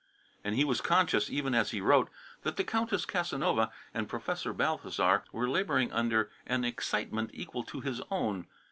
And he was conscious, even as he wrote, that the Countess Casanova and Professor Balthasar were labouring under an excitement equal to his own.